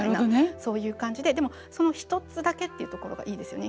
そういう感じででもその一つだけっていうところがいいですよね。